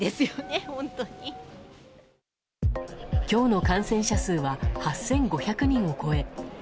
今日の感染者数は８５００人を超え